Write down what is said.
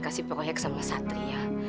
kasih proyek sama satria